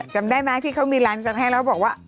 จำได้ไหมที่เขามีร้านสังให้แล้วบอกว่า